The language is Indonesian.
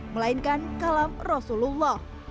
melainkan kalam rasulullah